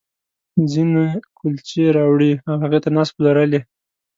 ځينې کُلچې راوړي او هغې ته ناست، پلورل یې.